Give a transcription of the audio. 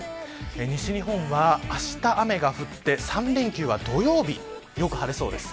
西日本はあした雨が降って３連休は土曜日よく晴れそうです。